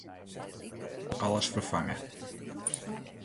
Klik Alles ferfange.